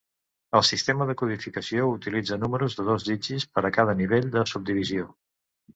El sistema de codificació utilitza números de dos dígits per a cada nivell de subdivisió.